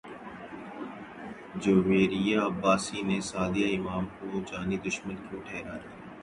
جویریہ عباسی نے سعدیہ امام کو جانی دشمن کیوں ٹھہرا دیا